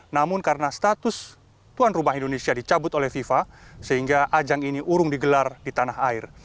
namun karena status tuan rumah indonesia dicabut oleh fifa sehingga ajang ini urung digelar di tanah air